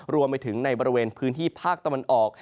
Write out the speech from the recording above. รวมไปถึงในบริเวณพื้นที่ภาคตะวันออก